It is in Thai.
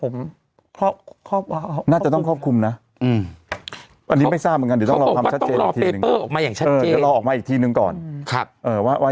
ไม่ต้องทำความชัดเจนมาอีกตลอดมาอีกทีนึงก่อนครับว่าว่ายังไง